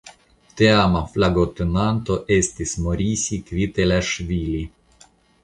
Teama flagotenanto estis "Morisi Kvitelaŝvili".